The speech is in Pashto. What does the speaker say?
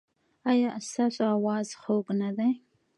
ایا ستاسو اواز خوږ نه دی؟